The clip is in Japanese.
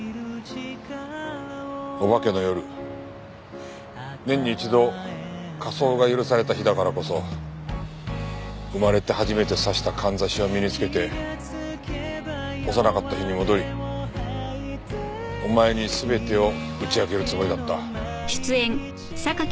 お化けの夜年に一度仮装が許された日だからこそ生まれて初めて挿した簪を身につけて幼かった日に戻りお前に全てを打ち明けるつもりだった。